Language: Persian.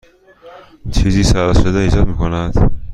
چیزی سر و صدا ایجاد می کند.